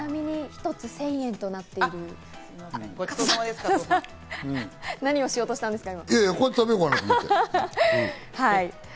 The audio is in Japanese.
一つ１０００円となっているので何をしようとしたんですか？